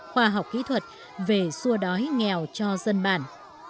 khoa học kỹ thuật về xua đói nghèo cho dân bản